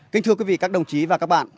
kính thưa quý vị các đồng chí và các bạn